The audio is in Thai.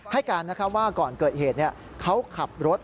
ให้การว่าก่อนเกิดเหตุเขาขับรถ